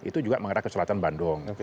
itu juga mengarah ke selatan bandung